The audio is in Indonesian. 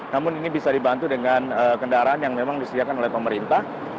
namun ini bisa dibantu dengan kendaraan yang memang disediakan oleh pemerintah